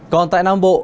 còn tại nam bộ